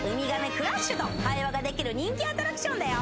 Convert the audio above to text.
クラッシュと会話ができる人気アトラクションだよ！